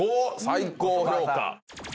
最高評価。